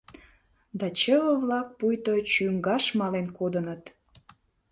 Да чыве-влак пуйто чӱҥгаш мален кодыныт.